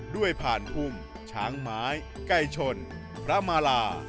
ผ่านพุ่มช้างไม้ไก่ชนพระมาลา